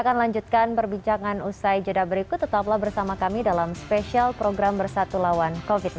kita akan lanjutkan perbincangan usai jeda berikut tetaplah bersama kami dalam spesial program bersatu lawan covid sembilan belas